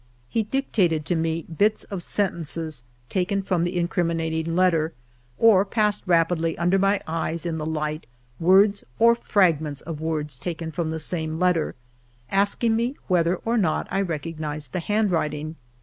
He dictated to me bits of sentences taken from the incriminating letter, or passed rapidly under my eyes, in the light, words or fragments of words taken from the same letter, asking me whether or not I recognized the hand writing.